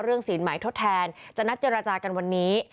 ศีลหมายทดแทนจะนัดเจรจากันวันนี้